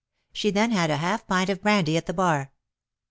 She then had a half pint of brandy at the bar."